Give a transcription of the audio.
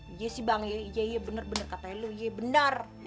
iya sih bang iya iya bener bener katanya lo iya bener